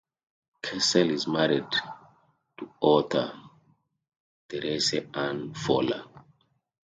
Kessel is married to author Therese Anne Fowler.